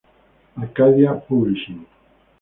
Arcadia Publishing.